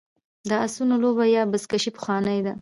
د اسونو لوبه یا بزکشي پخوانۍ ده